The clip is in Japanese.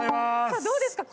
どうですか？